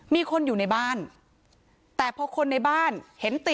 มีคนอยู่ในบ้านแต่พอคนในบ้านเห็นติ